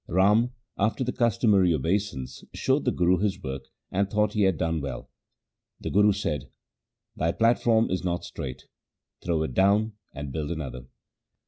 Rama, after the customary obeisance, showed the Guru his work, and thought he had done well. The Guru said, ' Thy platform is not straight, throw it down and build another.'